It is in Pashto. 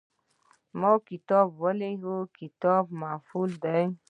ما کتاب ولېږه – "کتاب" مفعول دی.